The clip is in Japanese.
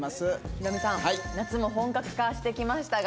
ヒロミさん夏も本格化してきましたが。